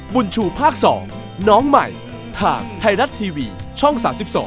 บุญชูภาค๒น้องใหม่ทางไทยรัฐทีวีช่อง๓๒